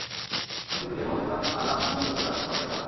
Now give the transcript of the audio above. আপনি তো কেবল, এসব আরো আকর্ষণীয় করে তোলার কলকাটি মাত্র।